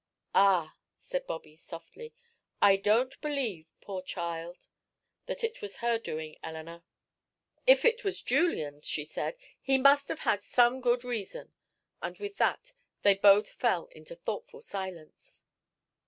"Ah," said Bobby, softly. "I don't believe, poor child! that it was her doing, Eleanor." "If it was Julian's," she said, "he must have had some good reason." And with that they both fell into thoughtful silence.